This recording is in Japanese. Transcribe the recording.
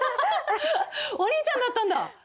お兄ちゃんだったんだ！